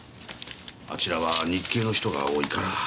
あちらは日系の人が多いから。